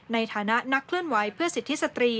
ในฐานะนักเคลื่อนไหวเพื่อสิทธิสตรี